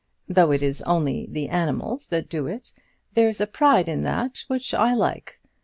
Though it is only the animals that do it, there's a pride in that which I like.